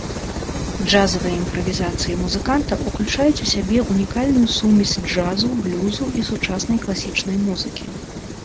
Джазавыя імправізацыі музыканта ўключаюць у сябе унікальную сумесь джазу, блюзу і сучаснай класічнай музыкі.